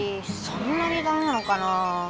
そんなにダメなのかなぁ？